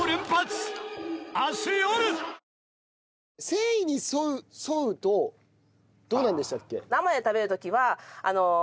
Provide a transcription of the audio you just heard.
繊維に沿うとどうなんでしたっけ？